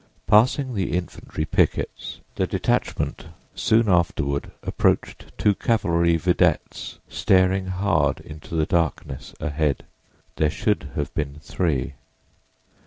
Passing the infantry pickets, the detachment soon afterward approached two cavalry videttes staring hard into the darkness ahead. There should have been three.